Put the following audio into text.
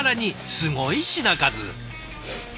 すごい品数。